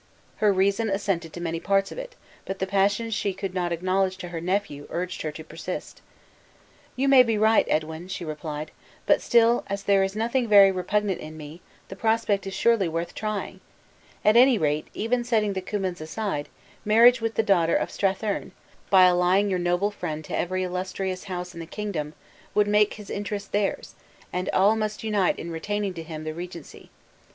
Her reason assented to many parts of it; but the passion she could not acknowledge to her nephew, urged her to persist. "You may be right, Edwin," she replied; "but still, as there is nothing very repugnant in me, the project is surely worth trying! At any rate, even setting the Cummins aside, a marriage with the daughter of Strathearn, by allying your noble friend to every illustrious house in the kingdom, would make his interest theirs, and all must unit in retaining to him the regency.